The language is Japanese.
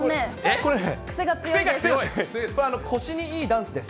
これは腰にいいダンスです。